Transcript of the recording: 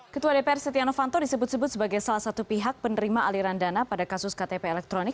ketua dpr setia novanto disebut sebut sebagai salah satu pihak penerima aliran dana pada kasus ktp elektronik